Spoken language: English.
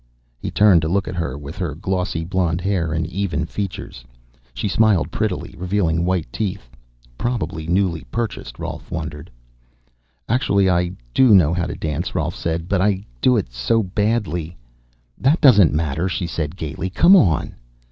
He turned to look at her, with her glossy blonde hair and even features. She smiled prettily, revealing white teeth. Probably newly purchased? Rolf wondered. "Actually I do know how to dance," Rolf said. "But I do it so badly " "That doesn't matter," she said gaily. "Come on."